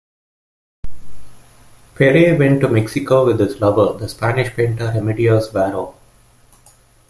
Peret went to Mexico with his lover, the Spanish painter Remedios Varo.